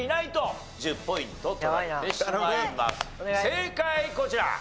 正解こちら。